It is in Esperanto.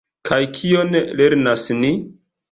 Kaj kion lernas ni?